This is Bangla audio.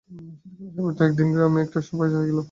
শীতলের সভাপতিত্বে একদিন গ্রামে একটা সভা হইয়া গেল।